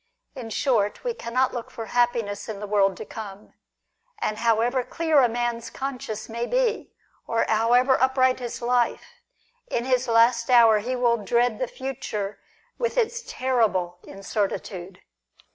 In short, we cannot look for happiness in the world to come ; and however clear a man's conscience may be, or however upright his life, in his last hour he will dread the future with its terrible incertitude.